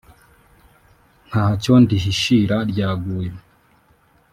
ntacyo ndihishira ryaguye